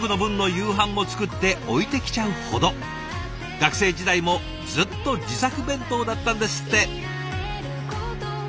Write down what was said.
学生時代もずっと自作弁当だったんですって。